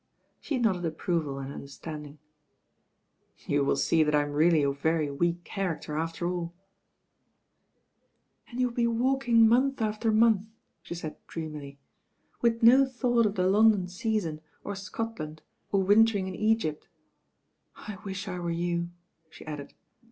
She nodded approval and understanding. "You will see that I'm really a very weak char acter after all." 40 THE BAIN OIRL ii And you will be walking month mfter m nth," •he said dreamily, 'Vith no thought of the London Season, or Scotland, or wintering m Egypt I widi I were you," the added.